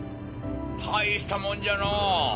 大したもんじゃのぉ！